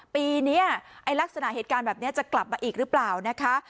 ปีนี้ลักษณะเหตุการณ์แบบนี้จะกลับมาอีกหรือเปล่านะคะ